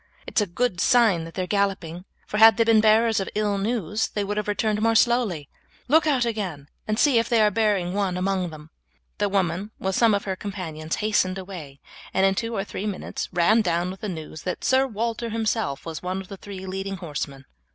It's a good sign that they are galloping, for had they been bearers of ill news they would have returned more slowly; look out again and see if they are bearing one among them." The woman, with some of her companions, hastened away, and in two or three minutes ran down with the news that Sir Walter himself was one of the three leading horsemen.